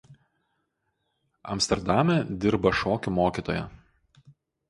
Amsterdame dirbo šokių mokytoja.